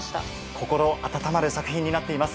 心温まる作品になっています